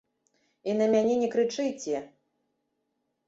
І на мяне не крычыце!